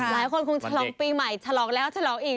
หลายคนคงฉลองปีใหม่ฉลองแล้วฉลองอีก